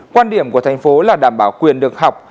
quan điểm của tp hcm là đảm bảo quyền được học